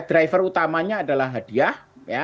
driver utamanya adalah hadiah